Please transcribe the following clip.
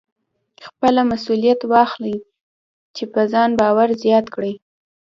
خپله مسوليت واخلئ چې په ځان باور زیات کړئ.